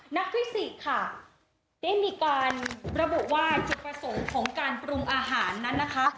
นักฟิศีกษ์ค่ะได้มีการระบุว่าคือผสมของการปรุงอาหารนั้นนะคะ